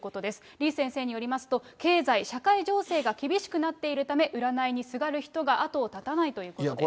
李先生によりますと、経済、社会情勢が厳しくなっているため、占いにすがる人があとを絶たないということです。